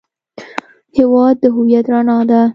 هېواد د هویت رڼا ده.